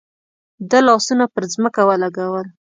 ده لاسونه پر ځمکه ولګول.